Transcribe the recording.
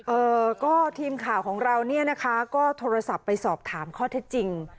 เอ่อก็ทีมข่าวของเราเนี่ยนะคะก็โทรศัพท์ไปสอบถามข้อเท็จจริง